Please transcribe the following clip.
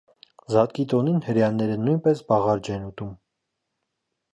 Զատկի տոնին հրեաները նույնպես բաղարջ են ուտում։